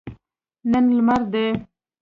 نن لمر دی